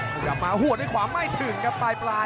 ขยับมาหัวด้วยขวาไม่ถึงครับปลาย